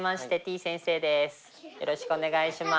よろしくお願いします。